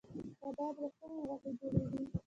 کباب له کومې غوښې جوړیږي؟